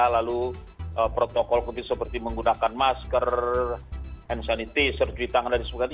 lalu protokol seperti menggunakan masker hensaniti sergwi tangan dan sebagainya